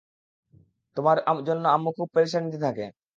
তোমার জন্য আম্মু খুব পেরেশানিতে থাকে!